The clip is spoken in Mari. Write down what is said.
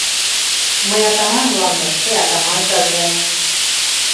Мый атаман улам дык, тый атаманша лият».